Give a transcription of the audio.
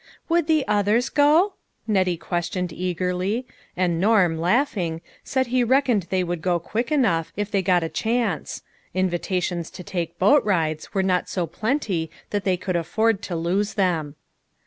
" Would the others go?" Nettie questioned eagerly, and Norm, laughing, said he reckoned they would go quick enough if they got a chance; invitations to take boat rides were not so plenty that they could afford to lose them.